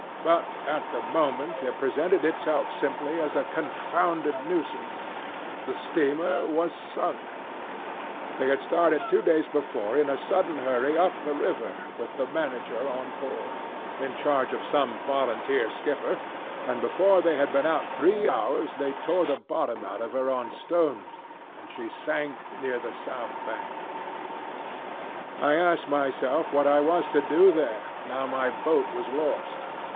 ... But at the moment it presented itself simply as a confounded nuisance. The steamer was sunk. They had started two days before in a sudden hurry up the river with the manager on board, in charge of some volunteer skipper, and before they had been out three hours they tore the bottom out of her on stones, and she sank near the south bank. I asked myself what I was to do there, now my boat was lost.